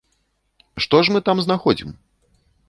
Што ж мы там знаходзім?